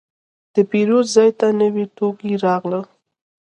د پیرود ځای ته نوي توکي راغلل.